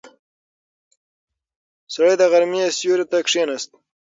سړی د غرمې سیوري ته کیناست.